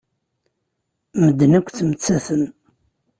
Medden akk ttmettaten.